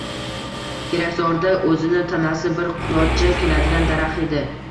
Terakzorda o‘zini tanasi bir qulochcha keladigan daraxt edi